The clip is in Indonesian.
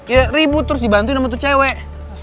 ya ribut terus dibantu sama tuh cewek